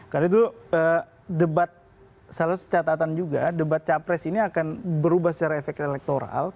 karena itu debat salah satu catatan juga debat capres ini akan berubah secara efek elektoral